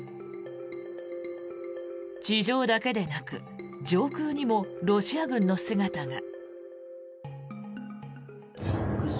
地上だけでなく上空にもロシア軍の姿が。